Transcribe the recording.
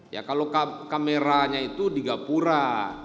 ya kalau kameranya itu di gapura